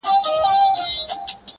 o زلفي يې زما پر سر سايه جوړوي.